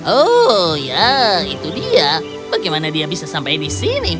oh ya itu dia bagaimana dia bisa sampai di sini